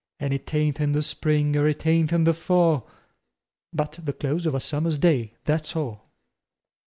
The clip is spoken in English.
An' it ain't in the spring er it ain't in the fall, But the close of a summer's day, That's all.